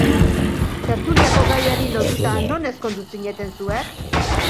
Tertuliako gaiari lotuta, non ezkondu zineten zuek?